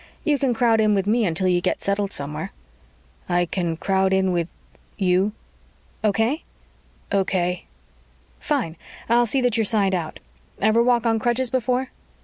"You can crowd in with me until you get settled somewhere." "I can crowd in with you?" "Okay?" "Okay." "Fine, I'll see that you're signed out. Ever walk on crutches before?"